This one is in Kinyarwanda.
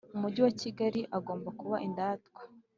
Umujyi wa Kigali agomba kuba indatwa